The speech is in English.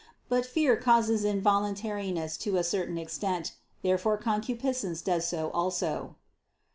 But fear causes involuntariness to a certain extent. Therefore concupiscence does so also.